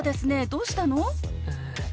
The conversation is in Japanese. どうしたの？